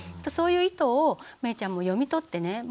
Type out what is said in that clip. そういう意図をめいちゃんも読み取ってね